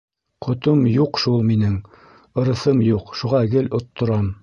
Ҡотом юҡ шул минең, ырыҫым юҡ, шуға гел отторам.